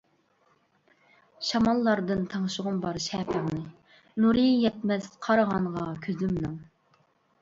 شاماللاردىن تىڭشىغۇم بار شەپەڭنى، نۇرى يەتمەس قارىغانغا كۆزۈمنىڭ.